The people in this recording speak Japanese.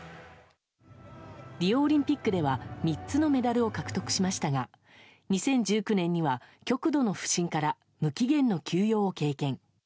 リオオリンピックでは３つのメダルを獲得しましたが２０１９年には、極度の不振から無期限の休養を経験。